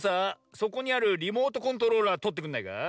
そこにあるリモートコントローラーとってくんないか？